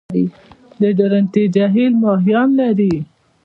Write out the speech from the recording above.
د درونټې جهیل ماهیان لري؟